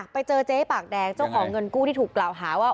ไปเจอเจ๊ปากแดงเจ้าของเงินกู้ที่ถูกกล่าวหาว่า